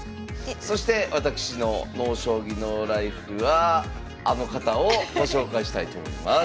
そして私の「ＮＯ将棋ＮＯＬＩＦＥ」はあの方をご紹介したいと思います。